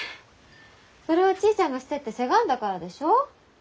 それはちぃちゃんがしてってせがんだからでしょ？